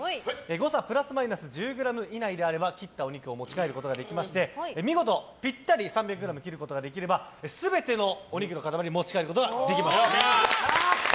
誤差プラスマイナス１０ｇ以内であれば切ったお肉を持ち帰ることができまして見事ぴったり３００ｇに切ることができれば全てのお肉の塊をお持ち帰りいただけます。